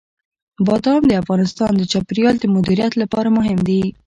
بادام د افغانستان د چاپیریال د مدیریت لپاره مهم دي.